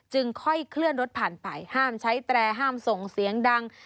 ค่อยเคลื่อนรถผ่านไปห้ามใช้แตร่ห้ามส่งเสียงดัง